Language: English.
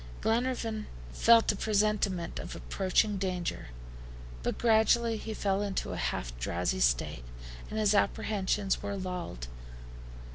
Glenarvan felt a presentiment of approaching danger. But gradually he fell into a half drowsy state, and his apprehensions were lulled.